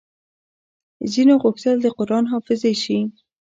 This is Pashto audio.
ځينو غوښتل د قران حافظې شي